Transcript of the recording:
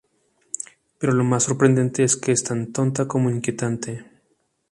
Pero lo más sorprendente es que es tan tonta como inquietante".